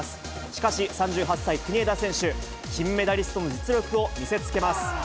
しかし、３８歳、国枝選手、金メダリストの実力を見せつけます。